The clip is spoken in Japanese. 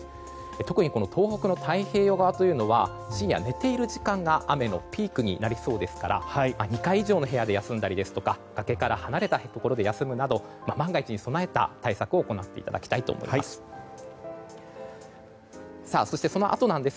特に東北の太平洋側は深夜、寝ている時間が雨のピークになりそうですから２階以上の部屋で休んだり崖から離れた部屋で休むなど万が一に備えた対策を行っていただきたいと思います。